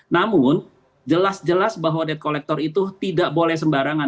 namun jelas jelas bahwa debt collector itu tidak boleh sembarangan